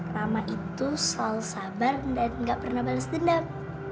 rama itu selalu sabar dan gak pernah bales dendam